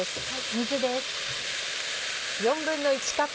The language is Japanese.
水です。